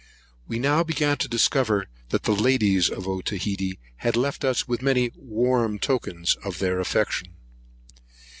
We now began to discover, that the ladies of Otaheite had left us many warm tokens of their affection.